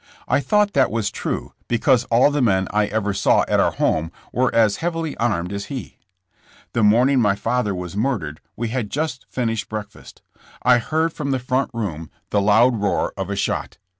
I thought that was true, because all the men I ever saw at our home were as heavily armed as he. The morning my father was murdered we had just finished breakfast. I heard from the front room I'HINGS I RSMEMBER OP MV FATHER. 1^ the loud roar of a shot.